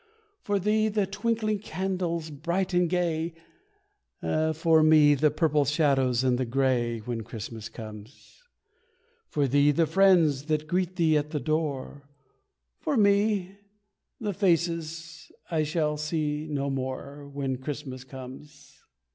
For thee, the twinkling candles bright and gay, For me, the purple shadows and the grey, When Christmas comes. For thee, the friends that greet thee at the door, For me, the faces I shall see no more, When Christmas comes.